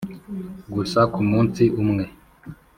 gusa kumunsi umwe